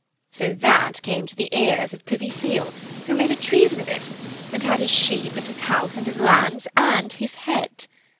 _" So that came to the ears of Privy Seal, who made a treason of it, and had his sheep, and his house, and his lands, and his head.